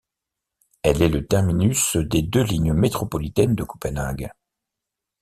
Elle est le terminus des deux lignes métropolitaines de Copenhague.